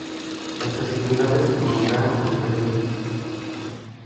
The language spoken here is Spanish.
Las festividades se prolongaron por tres días.